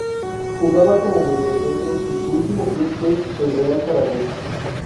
Jugaba como mediocentro y su último club fue el Real Zaragoza.